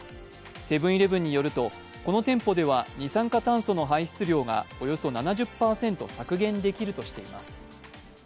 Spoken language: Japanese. セブン−イレブンによると、この店舗では二酸化炭素の排出量がおよそ７０％削減できるとしています。